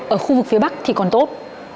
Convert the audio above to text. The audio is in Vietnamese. ở khu vực phía bắc thì còn tốt